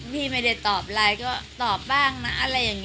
พี่ไม่ได้ตอบไลน์ก็ตอบบ้างนะอะไรอย่างนี้